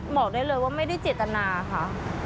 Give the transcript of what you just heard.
บอกได้เลยว่าไม่ได้เจตนาค่ะ